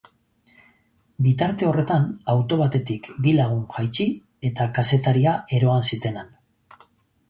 Bitarte horretan auto batetik bi lagun jaitsi eta kazetaria eroan zitenan.